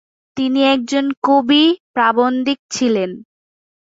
তিনি একজন কবি, প্রাবন্ধিক ছিলেন।